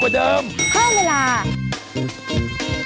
ก็ได้ก็ได้